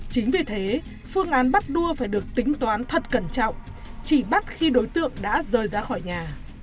chính vì thế phương án bắt đua phải được tính toán thật cẩn trọng chỉ bắt khi đối tượng đã rời ra khỏi nhà